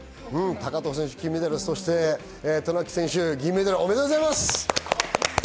高藤選手・金メダル、渡名喜選手・銀メダル、おめでとうございます。